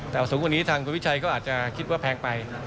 แต่สูงกว่านี้ทางคุณวิชัยก็อาจจะคิดว่าแพงไป